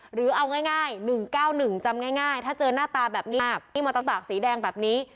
หรือเอาง่าย๑๙๑จำง่ายถ้าเจอหน้าตาแบบนี้อิมอเตอร์ตากสีแดงแบบนี้